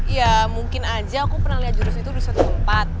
ya mungkin aja aku pernah lihat jurus itu di satu tempat